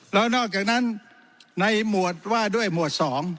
แล้วนอกจากนั้นในหมวดว่าด้วยหมวด๒